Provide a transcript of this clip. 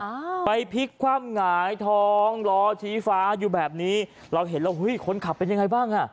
อ่าไปพลิกคว่ำหงายท้องล้อชี้ฟ้าอยู่แบบนี้เราเห็นแล้วเฮ้ยคนขับเป็นยังไงบ้างอ่ะ